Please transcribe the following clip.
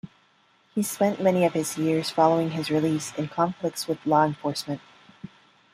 He spent many of his years following his release in conflicts with law enforcement.